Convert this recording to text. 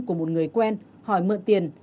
của một người quen hỏi mượn tiền